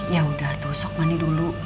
ya udah tusok mandi dulu